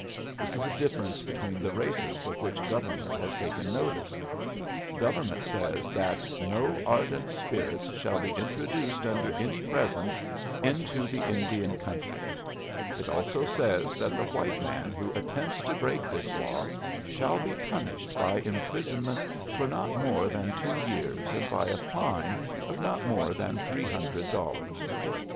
This is a difference between the races of which government has taken notice. Government says that "no ardent spirits shall be introduced under any presence into the Indian country." It also says that the white man who attempts to break this law "shall be punished by imprisonment for not more than two years and by a fine of not more than three hundred dollars."